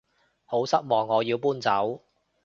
好失望我要搬走